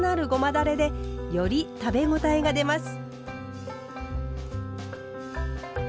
だれでより食べごたえが出ます。